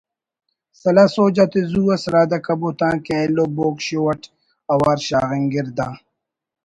سلاہ سوج آتے زو اس رادہ کبو تانکہ ایلو ”بوگ شو“ اٹ اوار شاغنگر دا